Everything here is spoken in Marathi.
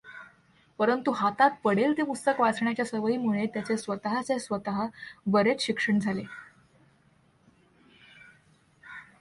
परंतु हातात पडेल ते पुस्तक वाचण्याच्या सवयीमुळे त्याचे स्वतःचे स्वतः बरेच शिक्षण झाले.